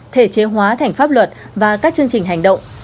thể chế hóa thành pháp luật và các chương trình hành động